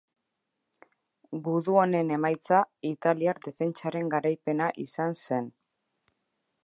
Gudu honen emaitza italiar defentsaren garaipena izan zen.